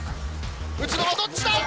撃つのはどっちだ？